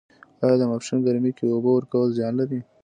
آیا د ماسپښین ګرمۍ کې اوبه ورکول زیان لري؟